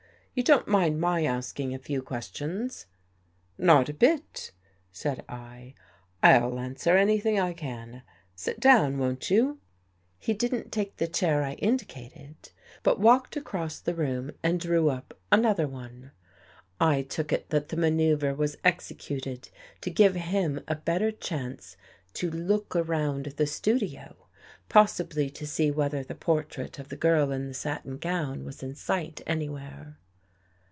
You don't mind my asking a few questions? "" Not a bit," said 1. " I'll answer anything I can. Sit down, won't you." He didn't take the chair I indicated, but walked across the room and drew up another one. I took it that the maneuver was executed to give him a bet ter chance to look around the studio — possibly to see whether the portrait of the girl in the satin gown was in sight anywhere.